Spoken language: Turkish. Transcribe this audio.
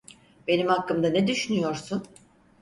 Benim hakkımda ne düşünüyorsun?